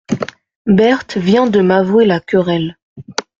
Berthe vient de m'avouer la querelle.